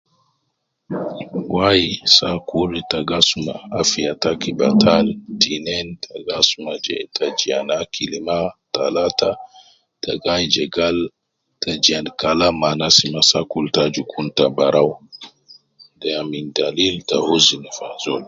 wayi , sa kulu, ita gi asuma afiya taki batal. Tinin, lta, gi asuma je ita jiyan akili mafi. Talata, ita gi ayin je gal ita jiyan kalam ma anas mafi, ita aju kun barawu. De ya min dalil ta huzni fi azol.